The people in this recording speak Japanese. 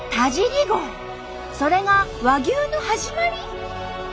それが和牛の始まり？